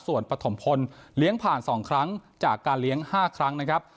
ส่วนปฐมพลเลี้ยงผ่าน๒ครั้งจากการเลี้ยง๕ครั้งนะครับ